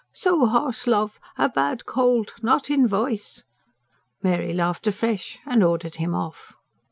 "So hoarse, love ... a bad cold ... not in voice!" Mary laughed afresh, and ordered him off.